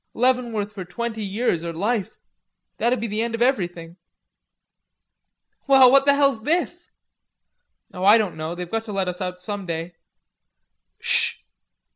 Leavenworth for twenty years, or life. That'd be the end of everything." "Well, what the hell's this?" "Oh, I don't know; they've got to let us out some day."